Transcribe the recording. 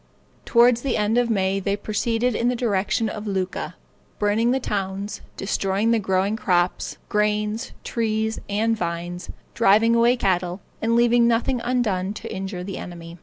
Toward the end of May they proceeded in the direction of Lucca, burning the towns, destroying the growing crops, grain, trees, and vines, driving away the cattle, and leaving nothing undone to injure the enemy.